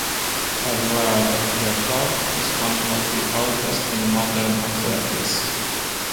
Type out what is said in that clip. Her world record is one of the oldest in modern athletics.